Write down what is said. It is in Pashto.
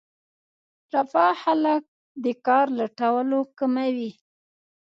رفاه خلک د کار لټولو کموي.